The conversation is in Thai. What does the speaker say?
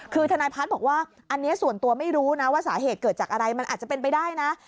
คือทนายพัฒน์บอกว่าอันนี้ส่วนตัวไม่รู้นะว่าสาเหตุเกิดจากอะไรมันอาจจะเป็นไปได้นะ